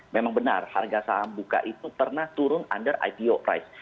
memang benar harga saham buka itu pernah turun under ipo price